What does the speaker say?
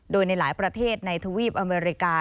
โดยในหลายประเทศในทวีปอเมริกา